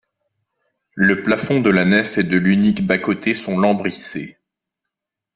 Le plafond de la nef et de l'unique bas-côté sont lambrissés.